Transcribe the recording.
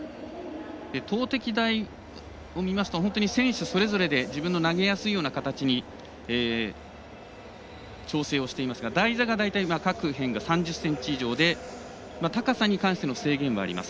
投てき台を見ますと本当に選手それぞれで自分の投げやすいような形に調整をしていますが台座が各辺が３０ｃｍ以上で高さに関しての制限もあります。